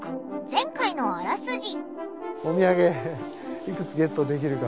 前回のあらすじ。